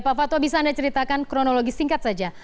pak fatwa bisa anda ceritakan kronologi singkat saja